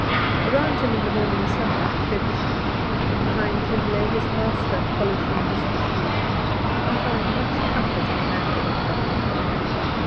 Around him in the morning sunlight fed the sheep; behind him lay his master polishing his machine. He found much comfort in handling it that morning.